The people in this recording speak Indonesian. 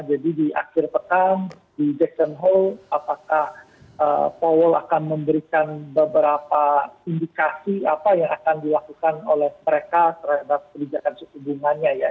jadi di akhir pekan di jackson hole apakah powell akan memberikan beberapa indikasi apa yang akan dilakukan oleh mereka terhadap kebijakan suku bunganya ya